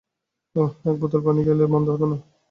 ওহ, এক বোতল পানি পেলে মন্দ হতো না।